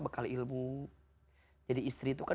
bekal ilmu jadi istri itu kan